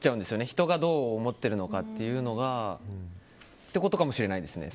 人がどう思っているのかっていうのが。ってことかもしれないですね。